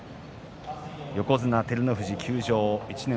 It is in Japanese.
横綱照ノ富士休場１年